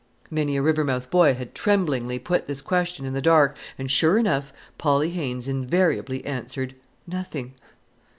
Many a Rivermouth boy has tremblingly put this question in the dark, and, sure enough, Polly Haines invariably answered nothing!